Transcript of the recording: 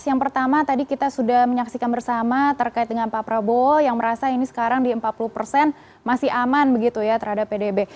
yang pertama tadi kita sudah menyaksikan bersama terkait dengan pak prabowo yang merasa ini sekarang di empat puluh persen masih aman begitu ya terhadap pdb